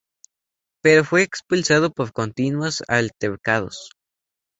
Pero fue expulsado por continuos altercados.